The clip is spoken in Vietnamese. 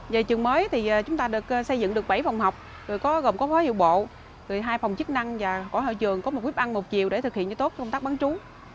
về trường mới thì chúng ta xây dựng được bảy phòng học gồm có phó hiệu bộ hai phòng chức năng và hội hội trường có một quýt ăn một chiều để thực hiện cho tốt công tác bán chú